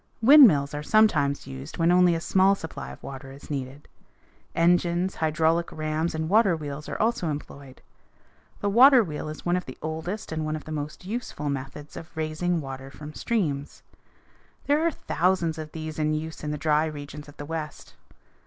Windmills are sometimes used when only a small supply of water is needed. Engines, hydraulic rams, and water wheels are also employed. The water wheel is one of the oldest and one of the most useful methods of raising water from streams. There are thousands of these in use in the dry regions of the West.